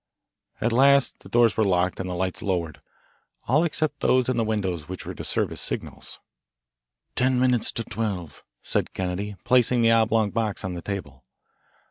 At last the doors were locked and the lights lowered, all except those in the windows which were to serve as signals. "Ten minutes to twelve," said Kennedy, placing the oblong box on the table.